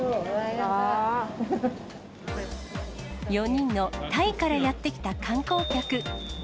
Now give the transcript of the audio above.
４人のタイからやって来た観光客。